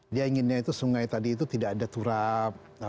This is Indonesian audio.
dia ingin sungai itu tidak ada turap